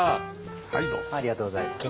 ありがとうございます。